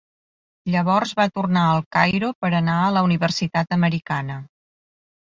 Llavors va tornar al Cairo per anar a la Universitat Americana.